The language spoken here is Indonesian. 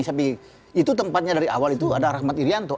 tapi itu tempatnya dari awal itu ada rahmat irianto